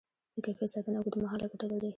د کیفیت ساتنه اوږدمهاله ګټه لري.